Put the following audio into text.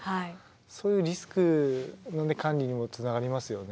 そういうリスクの管理にもつながりますよね。